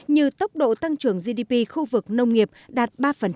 như tốc độ tăng trưởng gdp khu vực nông nghiệp đạt ba